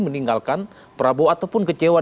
meninggalkan prabowo ataupun kecewa